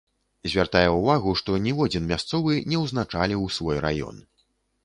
Звяртае ўвагу, што ніводзін мясцовы не ўзначаліў свой раён.